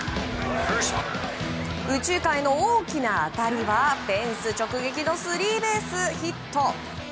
右中間への大きな当たりはフェンス直撃のスリーベースヒット。